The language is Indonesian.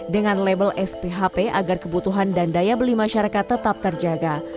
dengan label sphp agar kebutuhan dan daya beli masyarakat tetap terjaga